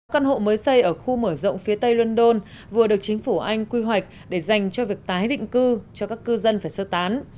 căn hộ mới xây ở khu mở rộng phía tây london vừa được chính phủ anh quy hoạch để dành cho việc tái định cư cho các cư dân phải sơ tán